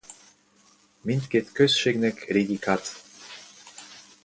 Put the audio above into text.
Mindkét községnek régi kath.